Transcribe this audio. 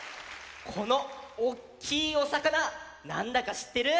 このおっきいおさかななんだかしってる？